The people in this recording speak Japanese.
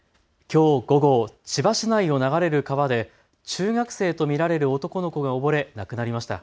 きょう午後、千葉市内を流れる川で中学生と見られる男の子が溺れ亡くなりました。